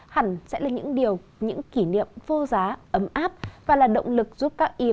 hẳn sẽ là những điều những kỷ niệm vô giá ấm áp và là động lực giúp các em